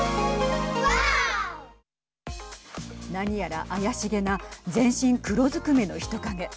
何やら怪しげな全身黒ずくめの人影。